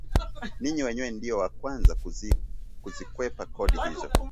ninyi wenyewe ndio wa kwanza kuzikwepa kodi hizo